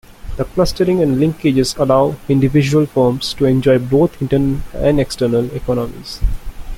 The clustering and linkages allow individual firms to enjoy both internal and external economies.